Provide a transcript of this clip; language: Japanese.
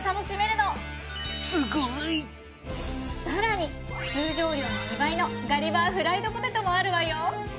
すごい！さらに通常量の２倍のガリバーフライドポテトもあるわよ。